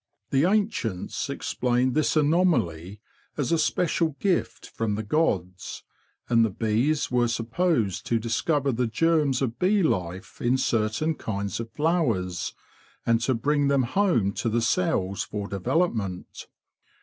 The ancients explained this anomaly as a special gift from the gods, and the bees were supposed to discover the germs of bee life in certain kinds of flowers and to bring them home to the cells for development.